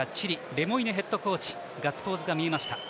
レモイネヘッドコーチガッツポーズが見えました。